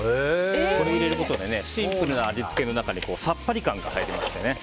これを入れることでシンプルな味付けの中でさっぱり感が入りますからね。